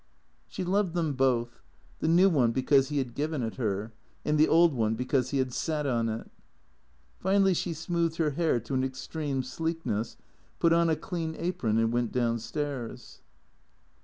She loved them both, the new one because he had given it her, and the old one because he had sat on it. Finally she smoothed her hair to an extreme sleekness, put on a clean apron and went down stairs.